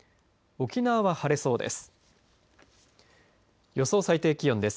沖縄は晴れそうです。